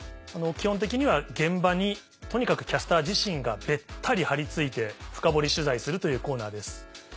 基本的には現場にとにかくキャスター自身がべったり張り付いて深掘り取材するというコーナーです。